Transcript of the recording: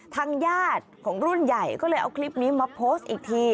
ทางญาติของรุ่นใหญ่ก็เลยเอาคลิปนี้มาโพสต์อีกที